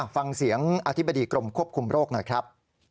ฟังเสียงอธิบดีกรมควบคุมโรคหน่อยครับ